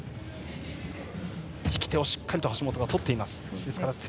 引き手をしっかり橋本が取っています。